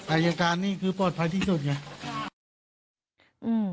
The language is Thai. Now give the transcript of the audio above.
อายการนี่คือปลอดภัยที่สุดไง